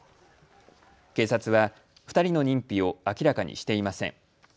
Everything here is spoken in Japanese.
警察は２人の認否を明らかにしていません。